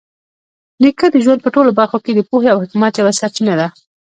نیکه د ژوند په ټولو برخو کې د پوهې او حکمت یوه سرچینه ده.